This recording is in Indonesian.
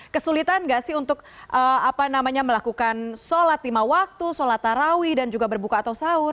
kesulitan gak sih untuk melakukan sholat lima waktu sholat tarawih dan juga berbuka atau sahur